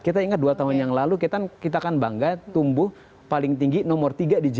kita ingat dua tahun yang lalu kita kan bangga tumbuh paling tinggi nomor tiga di g dua puluh